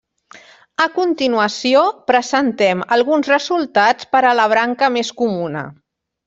A continuació presentem alguns resultats per a la branca més comuna.